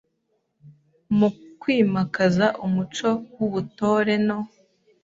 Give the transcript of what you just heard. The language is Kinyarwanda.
MU KWIMAKAZA UMUCO W’UBUTORE NO